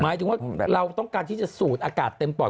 หมายถึงว่าเราต้องการที่จะสูดอากาศเต็มปอด